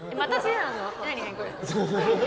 何々、これ。